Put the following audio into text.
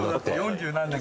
四十何年。